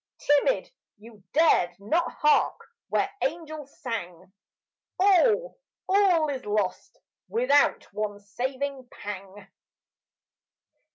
Timid, you dared not hark when angels sang. All, all is lost, without one saving pang.